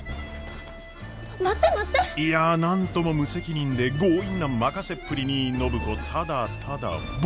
いや何とも無責任で強引な任せっぷりに暢子ただただぼう然。